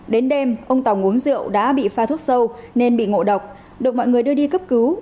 đến đêm ông tàu uống rượu đã bị pha thuốc sâu nên bị ngộ độc được mọi người đưa đi cấp cứu